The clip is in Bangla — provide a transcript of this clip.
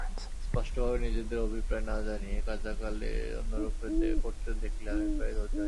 স্পষ্টভাবে নিজেদের অভিপ্রায় না জানিয়ে কার্যকালে অন্যরূপ করতে দেখলে আমি প্রায় ধৈর্য হারিয়ে ফেলি।